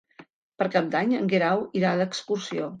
Per Cap d'Any en Guerau irà d'excursió.